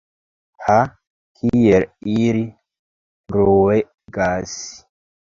Ha, kiel ili bruegas!